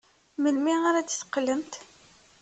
Melmi ara d-teqqlemt?